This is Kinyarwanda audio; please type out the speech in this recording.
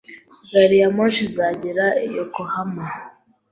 Gari ya moshi izagera Yokohama?